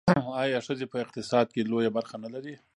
آیا ښځې په اقتصاد کې لویه برخه نلري؟